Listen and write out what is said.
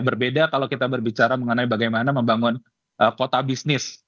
berbeda kalau kita berbicara mengenai bagaimana membangun kota bisnis